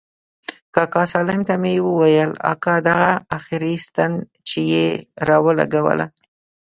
کاکا سالم ته مې وويل اكا دغه اخري ستن چې يې راولګوله.